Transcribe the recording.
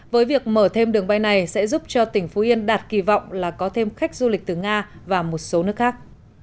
với việc mở thêm đường bay này sẽ giúp cho tỉnh phú yên đạt kỳ vọng là có thêm khách du lịch từ nga và một số nước khác